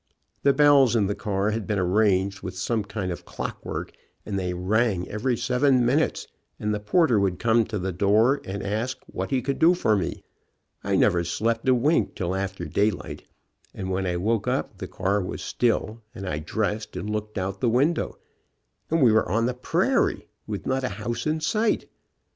The bells in the car had been arranged with some kind of clockwork, and they rang every seven minutes, and the porter would come to the door and ask what he could do for me. I never slept a wink till after daylight, and when I woke up the car was still, and I dressed and looked out the window, and we were on the prairie, with not a house in sight.